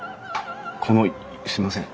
このすいません。